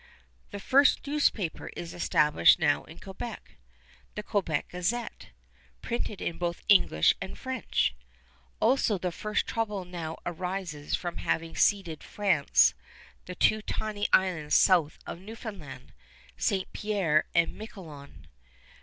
The first newspaper is established now in Quebec, The Quebec Gazette, printed in both English and French. Also the first trouble now arises from having ceded France the two tiny islands south of Newfoundland, St. Pierre and Miquelon.